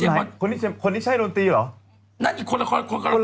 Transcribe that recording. ก็ดีขึ้นแล้วไงเจมส์บอลคนนี้ใช่โดนตีเหรอ